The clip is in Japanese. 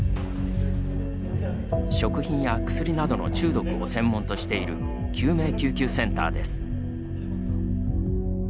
食品や薬などの中毒を専門としている救命救急センターです。